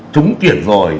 trúng tiền rồi